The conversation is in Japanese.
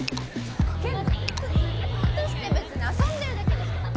別に遊んでるだけでしょ。